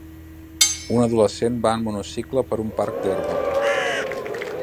Un adolescent va en un monocicle per un parc d'herba.